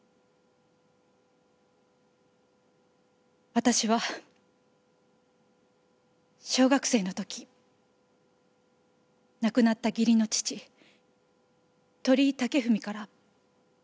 私は小学生の時亡くなった義理の父鳥居武文から。